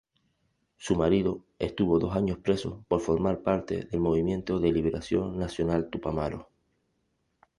Su marido estuvo dos años preso por formar parte del Movimiento de Liberación Nacional-Tupamaros.